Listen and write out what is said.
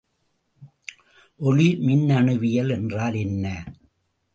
ஒளி மின்னணுவியல் என்றால் என்ன?